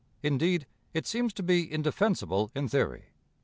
Indeed, it seems to be indefensible in theory.